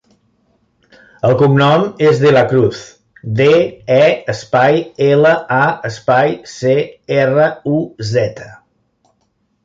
El cognom és De La Cruz: de, e, espai, ela, a, espai, ce, erra, u, zeta.